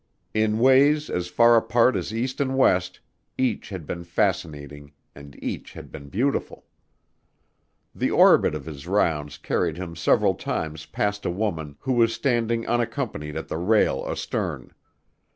In ways as far apart as east and west, each had been fascinating and each had been beautiful. The orbit of his rounds carried him several times past a woman, who was standing unaccompanied at the rail astern.